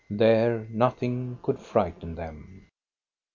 There nothing could frighten them.